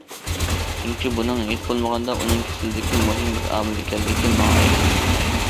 چۈنكى بۇنىڭ ھېچ بولمىغاندا ئۇنىڭ كېسىلىدىكى مۇھىم بىر ئامىل ئىكەنلىكى ماڭا ئايان ئىدى.